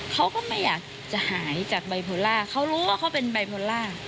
เขาก็ไม่อยากจะหายจากไบโพล่าเขารู้ว่าเขาเป็นไบโพล่า